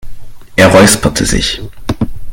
Er räusperte sich.